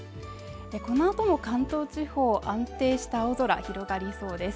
この後も関東地方安定した青空広がりそうです。